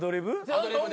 アドリブ？